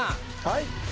はい。